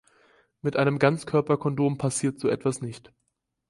Mit einem Ganzkörperkondom passiert so etwas nicht.